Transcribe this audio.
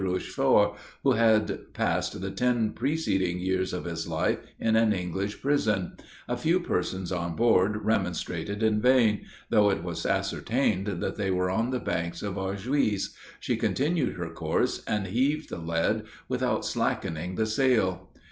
Richefort, who had passed the ten preceding years of his life in an English prison a few persons on board remonstrated in vain; though it was ascertained that they were on the banks of Arguise, she continued her course, and heaved the lead, without slackening the sail.